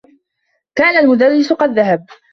كان المدرّس قد ذهب.